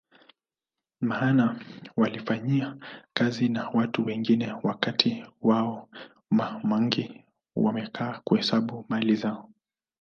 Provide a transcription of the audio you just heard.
Maana walifanyiwa kazi na watu wengine wakati wao Ma mangi wamekaa kuhesabu mali zao